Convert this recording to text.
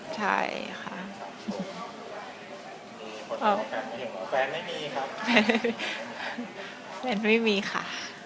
ใช่ค่ะแฟนไม่มีครับแฟนไม่มีค่ะ